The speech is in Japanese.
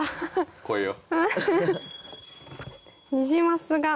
来いよ。